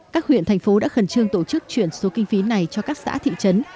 các huyện thành phố đã khẩn trương tổ chức chuyển số kinh phí này cho các xã thị trấn